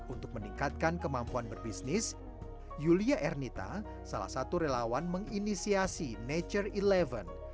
untuk meningkatkan kemampuan berbisnis yulia ernita salah satu relawan menginisiasi nature sebelas